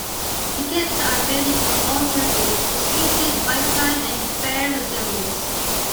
Tickets are valid for all service, restricted by time and fare zones.